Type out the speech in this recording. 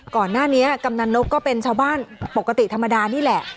ก่อนหน้านี้กำนันนกก็เป็นชาวบ้านปกติธรรมดานี่แหละ